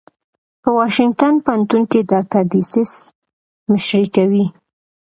په واشنګټن پوهنتون کې ډاکټر ډسیس مشري کوي.